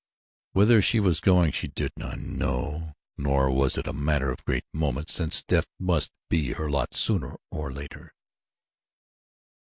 Whither she was going she did not know, nor was it a matter of great moment since death must be her lot sooner or later.